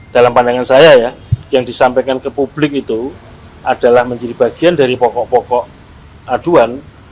dan pandangan saya ya yang disampaikan ke publik itu adalah menjadi bagian dari pokok pokok aduan